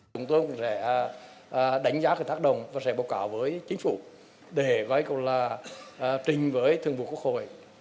chúng tôi cũng sẽ đánh giá cái thác đồng và sẽ bầu cảo với chính phủ để gọi gọi là trình với thượng vụ quốc hội